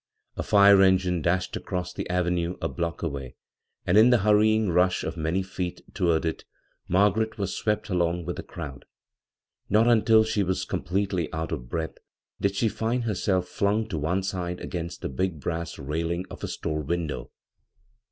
A fire engine dashed across the avenue a. block away, and in the hurrying rush of many feet toward it Margaret was swept along with the crowd. Not until she was completely out of breath did she find herself flung to one side against the big brass railing of a store window.